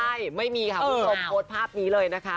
ใช่ไม่มีค่ะคุณผู้ชมโพสต์ภาพนี้เลยนะคะ